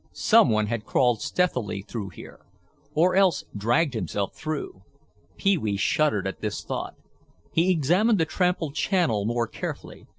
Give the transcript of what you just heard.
Some one had crawled stealthily through here. Or else— dragged himself through. Pee wee shuddered at this thought. He examined the trampled channel more carefully.